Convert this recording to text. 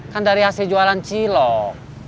kan dari hasil jualan cilok